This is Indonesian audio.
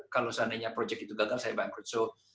kalau seandainya proyek itu gagal saya bangkrut show